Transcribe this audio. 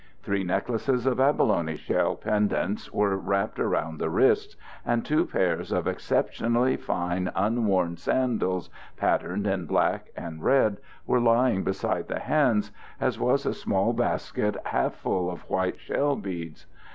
Three necklaces of abalone shell pendants were wrapped around the wrists, and two pairs of exceptionally fine, unworn sandals, patterned in black and red, were lying beside the hands, as was a small basket half full of white shell beads.